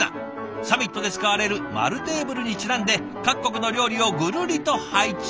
サミットで使われる円テーブルにちなんで各国の料理をぐるりと配置。